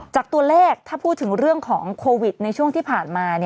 จากตัวเลขถ้าพูดถึงเรื่องของโควิดในช่วงที่ผ่านมา